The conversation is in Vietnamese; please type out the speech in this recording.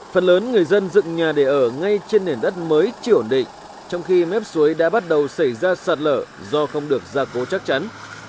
phần lớn người dân dựng nhà để ở ngay trên nền đất mới chưa ổn định trong khi mét suối đã bắt đầu xảy ra sạt lở do không được gia cố chắc chắn